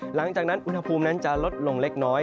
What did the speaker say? หลังจากนั้นอุณหภูมินั้นจะลดลงเล็กน้อย